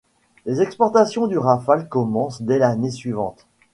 Les exportations du Rafale commencent dès l'année suivante.